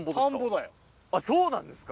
あっそうなんですか！